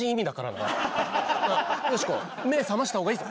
なあヨシコ目覚ました方がいいぞ。